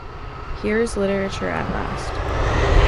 Here's literature at last!